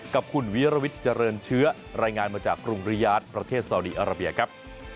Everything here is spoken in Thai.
กับคุณวิรวิทย์เจริญเชื้อรายงานมาจากกรุงริยาทประเทศสาวดีอาราเบียครับ